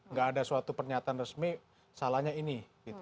nggak ada suatu pernyataan resmi salahnya ini